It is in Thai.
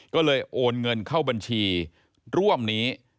ก็เลยโอนเงินเข้าบัญชีร่วมนี้